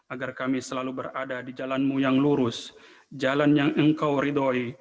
agar kami selalu berada di jalanmu yang lurus jalan yang engkau ridhoi